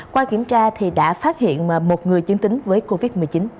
qua kiểm tra thì đã phát hiện một người dương tính với covid một mươi chín